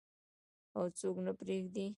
او څوک نه پریږدي.